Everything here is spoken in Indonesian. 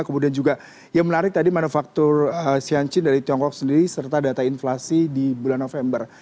kemudian juga yang menarik tadi manufaktur siancin dari tiongkok sendiri serta data inflasi di bulan november